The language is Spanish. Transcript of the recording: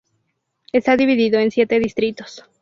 Está dividido en siete distritos.